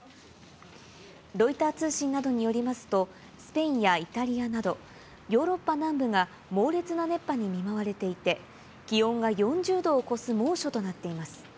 ロイター通信などによりますと、スペインやイタリアなど、ヨーロッパ南部が猛烈な熱波に見舞われていて、気温が４０度を超す猛暑となっています。